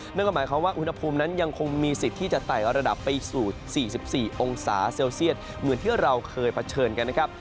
นั่นก็หมายความว่าอุณหภูมินั้นยังคงมีสิทธิ์ที่จะไต่ระดับไปสู่๔๔องศาเซลเซียตเหมือนที่เราเคยเผชิญกันนะครับ